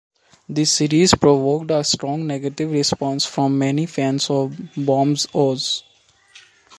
The series provoked a strong negative response from many fans of Baum's Oz.